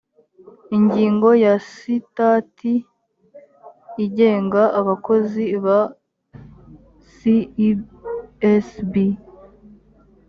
ingingo ya sitati igenga abakozi ba cesb